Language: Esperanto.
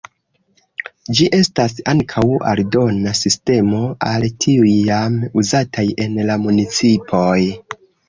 Ĝi estas ankaŭ aldona sistemo al tiuj jam uzataj en la municipoj.